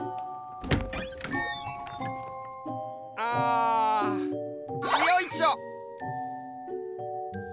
あよいしょっ！